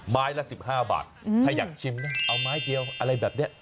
ไม้ละ๑๕บาทถ้าอยากชิมนะเอาไม้เดียวอะไรแบบนี้